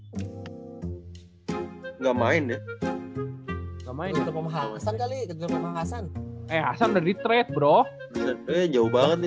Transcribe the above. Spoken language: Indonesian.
tapi btw si itu main gak sih si nurkic kemarin pas lagi menang kita